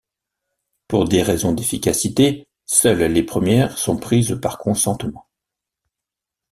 Pour des raisons d'efficacité, seules les premières sont prises par consentement.